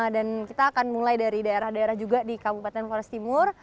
dan kita akan mulai dari daerah daerah juga di kabupaten forest timur